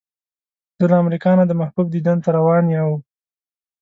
زه له امریکا نه د محبوب دیدن ته روان یو.